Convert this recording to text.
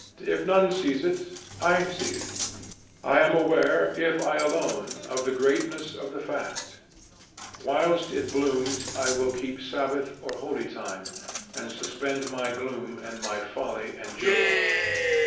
if none sees it, I see it; I am aware, if I alone, of the greatness of the fact. Whilst it blooms, I will keep sabbath or holy time, and suspend my gloom and my folly and jokes.